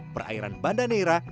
perairan banda neira